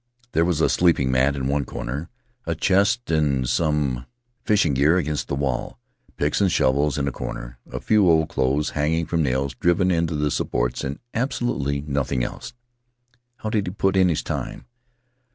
There was a sleeping mat in one corner; a chest and some fishing gear against the wall; picks and shovels in a corner; a few old clothes hanging from nails driven into the supports, and absolutely nothing else. How did he put in his time?